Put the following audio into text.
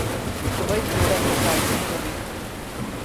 Povejte mi več o svojih simptomih.